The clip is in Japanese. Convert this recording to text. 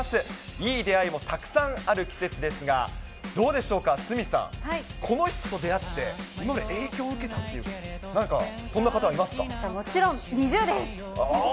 いい出会いもたくさんある季節ですが、どうでしょうか、鷲見さん、この人と出会って、今まで影響を受けたという、なんかそんな方はもちろんＮｉｚｉＵです。